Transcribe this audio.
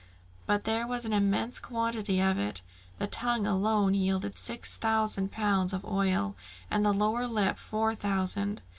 But there was an immense quantity of it; the tongue alone yielded six thousand pounds of oil, and the lower lip four thousand.